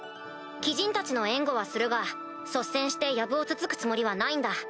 鬼人たちの援護はするが率先してやぶをつつくつもりはないんだ。